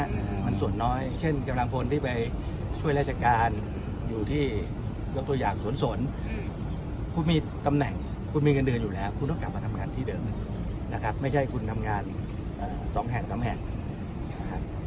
มันส่วนน้อยเช่นกำลังพลที่ไปช่วยราชการอยู่ที่ยกตัวอย่างสวนสนอืมคุณมีตำแหน่งคุณมีเงินเดือนอยู่แล้วคุณต้องกลับมาทำงานที่เดิมนะครับไม่ใช่คุณทำงานสองแห่งสามแห่งนะครับ